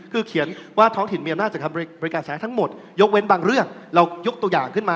คือเขียนว่าท้องถิ่นมีอำนาจจากการบริการสาธารณะทั้งหมด